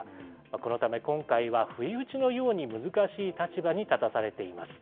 このため、今回は不意打ちのように難しい立場に立たされています。